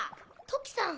トキさん！